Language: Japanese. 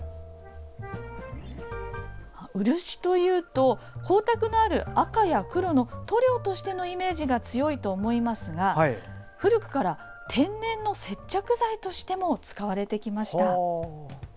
漆というと光沢のある赤や黒の塗料としてのイメージが強いと思いますが古くから天然の接着剤としても使われてきました。